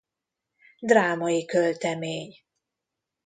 Drámai költemény.